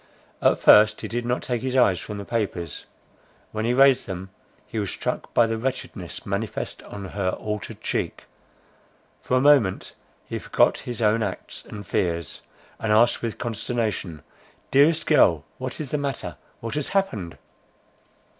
At first he did not take his eyes from the papers; when he raised them, he was struck by the wretchedness manifest on her altered cheek; for a moment he forgot his own acts and fears, and asked with consternation—"Dearest girl, what is the matter; what has happened?"